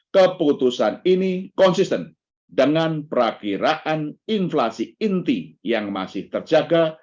keputusan ini konsisten dengan perakiraan inflasi inti yang masih terjaga